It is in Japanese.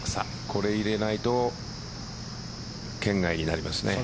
これ入れないと圏外になりますね。